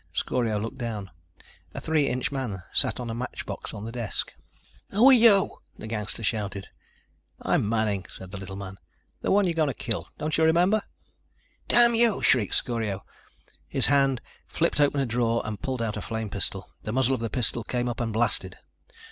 Scorio looked down. A three inch man sat on a matchbox on the desk! "Who are you?" the gangster shouted. "I'm Manning," said the little man. "The one you're going to kill. Don't you remember?" "Damn you!" shrieked Scorio. His hand flipped open a drawer and pulled out a flame pistol. The muzzle of the pistol came up and blasted.